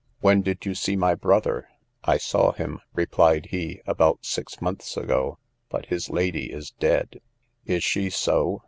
When did you see my brother? I saw him, replied he, about six months ago, but his lady is dead. Is she so?